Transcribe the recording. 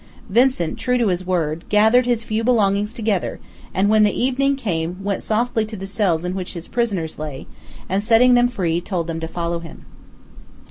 Vincent, true to his word, gathered his few belongings together, and when the evening came, went softly to the cells in which his prisoners lay, and, setting them free, told them to follow him.